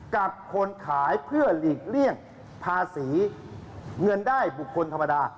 กับคนขายเพื่อหลีกเลี่ยงภาษีเงินได้บุคคลธรรมดา